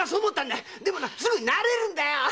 でもすぐ慣れるんだよ。